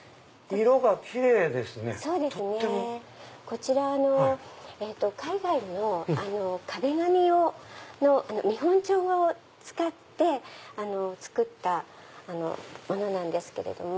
こちら海外の壁紙用の見本帳を使って作ったものなんですけれども。